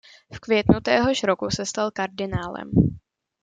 V květnu téhož roku se stal kardinálem.